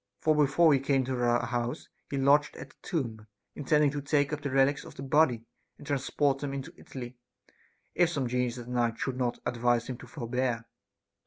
For before he came to our house, he lodged at the tomb, intending to take up the relics of the body and transport them into Italy, if some genius at night should not advise him to forbear.